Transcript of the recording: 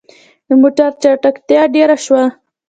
د موټر چټکتيا ډيره شوه.